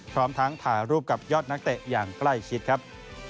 พร้อมทั้งถ่ายรูปกับยอดนักเตะอย่างใกล้ชิดครับ